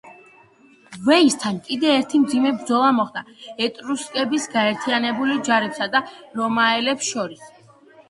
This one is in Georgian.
ვეისთან კიდევ ერთი მძიმე ბრძოლა მოხდა ეტრუსკების გაერთიანებულ ჯარებსა და რომაელებს შორის.